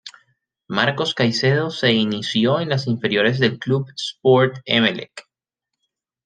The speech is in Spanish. Marcos Caicedo se inició en las inferiores del Club Sport Emelec.